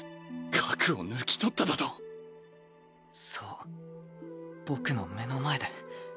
核を抜き取っただと⁉そう僕の目の前で。